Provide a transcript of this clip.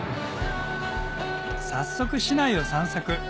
早速市内を散策